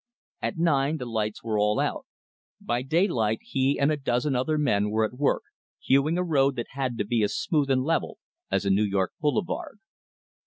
At nine the lights were all out. By daylight he and a dozen other men were at work, hewing a road that had to be as smooth and level as a New York boulevard.